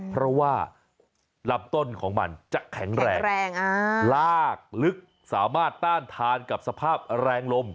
เพราะว่าลำต้นของมันจะแข็งแรงลากลึกสามารถต้านทานกับสภาพแรงลม